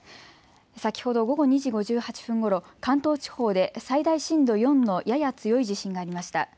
先ほど午後２時５８分ごろ、関東地方で最大震度４のやや強い地震がありました。